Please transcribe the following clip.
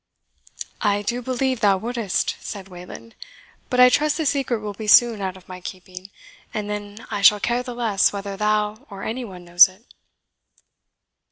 "I do believe thou wouldst," said Wayland; "but I trust the secret will be soon out of my keeping, and then I shall care the less whether thou or any one knows it."